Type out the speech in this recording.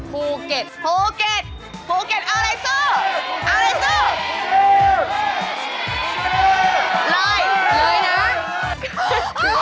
ภูเกตภูเกตภูเกตเอาเลยสู้เอาเลยสู้